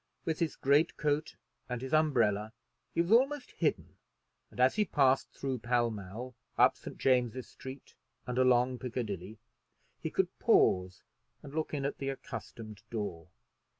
With his great coat and his umbrella he was almost hidden; and as he passed through Pall Mall, up St. James's Street, and along Piccadilly, he could pause and look in at the accustomed door.